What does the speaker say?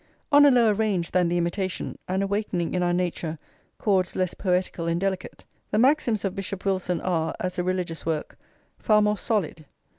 On a lower range than the Imitation, and awakening in our nature chords less poetical and delicate, the Maxims of Bishop Wilson are, as a religious work, far more solid.